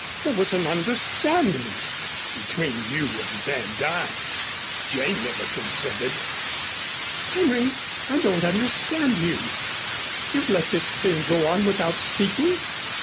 "There was an understanding." "Between you and Van Duyn. Jane never consented." "Henry, I don't understand you. You've let this thing go on without speaking.